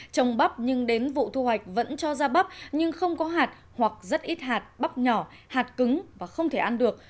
trồng bắp nhưng đến vụ thu hoạch vẫn cho ra bắp nhưng không có hạt hoặc rất ít hạt bắp nhỏ hạt cứng và không thể ăn được